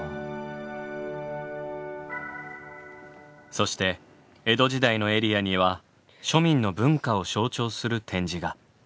そして江戸時代のエリアには庶民の文化を象徴する展示が。